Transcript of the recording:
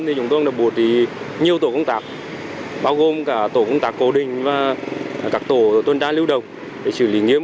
thì chúng tôi đã bù trí nhiều tổ công tác bao gồm cả tổ công tác cố định và các tổ tôn trang lưu đồng để xử lý nghiêm